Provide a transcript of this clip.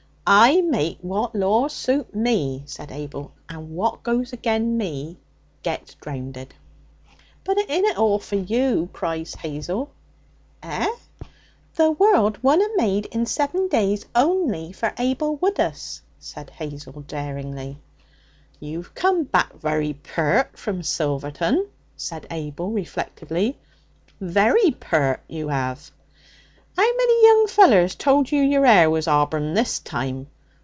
'I make what laws suit me,' said Abel. 'And what goes agen me gets drownded.' 'But it inna all for you!' cried Hazel. 'Eh?' 'The world wunna made in seven days only for Abel Woodus,' said Hazel daringly. 'You've come back very peart from Silverton,' said Abel reflectively 'very peart, you 'ave. How many young fellers told you your 'air was abron this time?